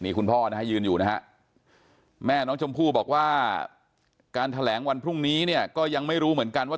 คุณพ่อนะฮะยืนอยู่นะฮะแม่น้องชมพู่บอกว่าการแถลงวันพรุ่งนี้เนี่ยก็ยังไม่รู้เหมือนกันว่า